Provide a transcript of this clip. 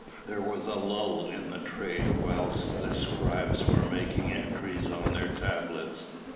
There was a lull in the trade whilst the scribes were making entries on their tablets.